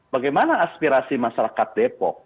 bagaimana aspirasi masyarakat depok